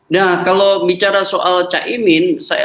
nah kalau bicara soal cak imin